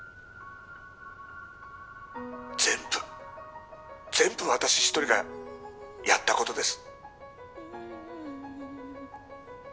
全部全部私一人がやったことです